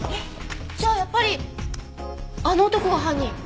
じゃあやっぱりあの男が犯人！